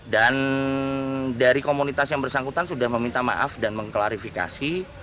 dan dari komunitas yang bersangkutan sudah meminta maaf dan mengklarifikasi